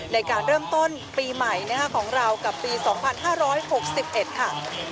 ในการเริ่มต้นปีใหม่ของเรากับปี๒๕๖๑ค่ะ